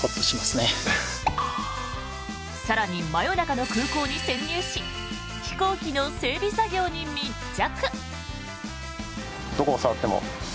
更に、真夜中の空港に潜入し飛行機の整備作業に密着！